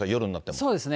そうですね。